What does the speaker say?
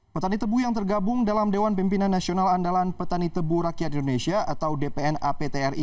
petani tebu yang tergabung dalam dewan pimpinan nasional andalan petani tebu rakyat indonesia atau dpna ptri